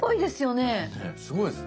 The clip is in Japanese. ねっすごいですね。